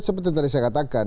seperti tadi saya katakan